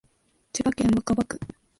千葉市若葉区